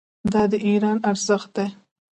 دا د ایران ارزښت دی.